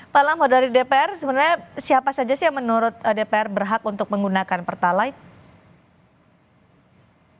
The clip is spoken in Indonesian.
pak lamo dari dpr sebenarnya siapa saja sih yang menurut dpr berhak untuk menggunakan pertalite